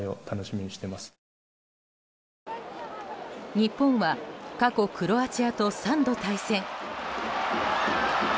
日本は、過去クロアチアと３度対戦。